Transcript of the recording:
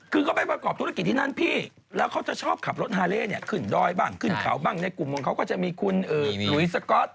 คือเขาไปประกอบธุรกิจที่นั่นพี่แล้วเขาจะชอบขับรถฮาเล่เนี่ยขึ้นดอยบ้างขึ้นเขาบ้างในกลุ่มของเขาก็จะมีคุณหลุยสก๊อต